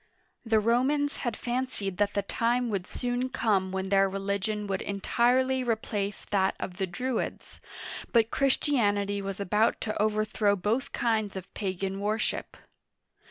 The Romans had fancied that the time would soon come when their religion would entirely replace that of the Druids, but Christianity was about to overthrow both kinds of pagan worship.